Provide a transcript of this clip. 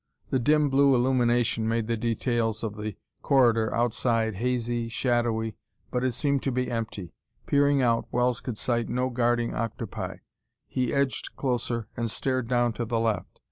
The dim blue illumination made the details of the corridor outside hazy, shadowy, but it seemed to be empty. Peering out, Wells could sight no guarding octopi. He edged closer and stared down to the left.